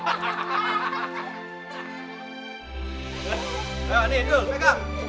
udah di audi ngerit giwet tiga tiga ini